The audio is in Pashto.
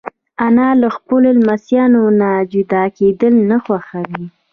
انا له خپلو لمسیو نه جدا کېدل نه خوښوي